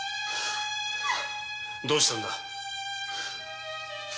どうしたんだ？